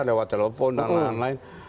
lewat telepon dan lain lain